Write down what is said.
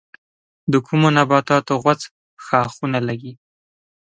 د کومو نباتاتو غوڅ ښاخونه لگي؟